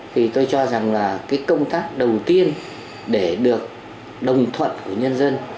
thì tôi cho rằng là cái công tác đầu tiên để được đồng thuận của nhân dân